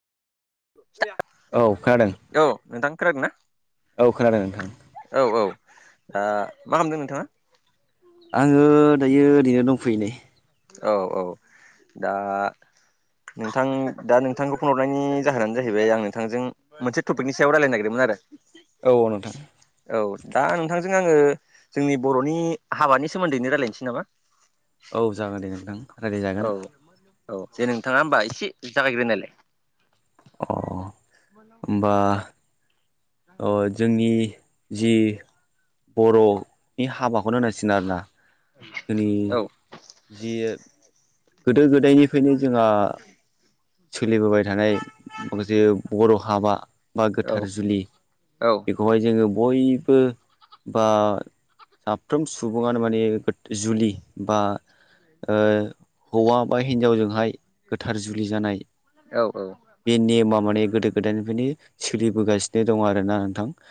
दोनबाय। औ खोनादों। औ नोंथां खोनादों ना? औ खोनादों नोंथां। औ औ ओ मा खालामदों नोंथाङा? आङो दायो ओरैनो दंफैयो नै। औ औ दा नोंथां दा नोंथांखौ फन हरनायनि जाहोनानो जाहैबाय आं नोंथांजों मोनसे टपिकनि सायाव रायलायनो नागिरदोंमोन आरो। औ औ नोंथां। औ दा नोंथांजों आङो जोंनि बर'नि हाबानि सोमोन्दैनो रायलायनोसै नामा? औ जागोन दे नोंथां। रायज्लायजागोन। औ औ दे नोंथाङा होमबा एसे जागायग्रोनायलाय। अ होमबा अ जोंनि जि बर'नि हाबाखौनो होनांसिगोन आरोना। जोंनि औ जि गोदो गोदायनिफ्रायनो जोंहा सोलिबोबाय थानाय माखासे बर' हाबा बा औ गोथार जुलि बे औ खौहाय जोङो बयबो बा साफ्रोम सुबुङानो माने जुलि बा ओ हौवा बा हिन्जावजोंहाय गोथार जुलि जानाय औ औ। बे नेमा माने गोदो गोदायनिफ्रायनो सोलिबोगासिनो दं आरोना नोंथां।